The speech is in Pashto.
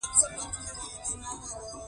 دا ودانۍ د عطا محمد نور په وخت کې جوړه شوه.